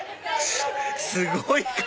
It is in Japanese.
すごい顔！